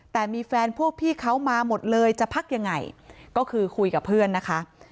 แต่มีแฟนพวกพี่เขามาหมดเลยจะพักยังไงก็คือคุยกับเพื่อนนะคะ